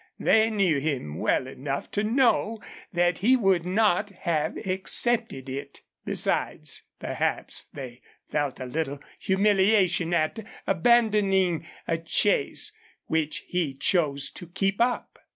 They knew him well enough to know that he would not have accepted it. Besides, perhaps they felt a little humiliation at abandoning a chase which he chose to keep up.